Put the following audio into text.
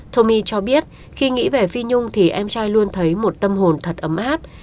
thomai cho biết khi nghĩ về phi nhung thì em trai luôn thấy một tâm hồn thật ấm áp